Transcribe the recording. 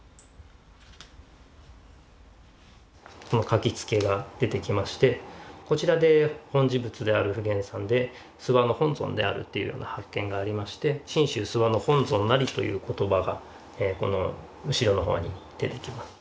書付が出てきましてこちらで本地仏である普賢さんで諏訪の本尊であるっていうような発見がありまして「信州諏訪の本尊なり」という言葉がこの後ろの方に出てきます。